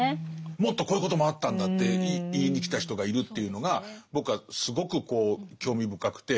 もっとこういうこともあったんだって言いに来た人がいるっていうのが僕はすごく興味深くて。